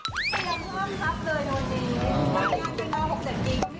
คุณหญิงสวัสดีค่ะ